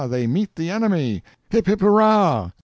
they meet the enemy; hip, hip, hurrah!